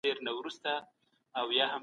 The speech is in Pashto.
عیش او نوش د دولتونو د زوال لامل ګرځي.